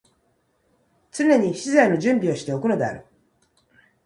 常に詩材の準備をして置くのである。